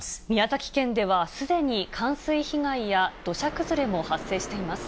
宮崎県では、すでに冠水被害や土砂崩れも発生しています。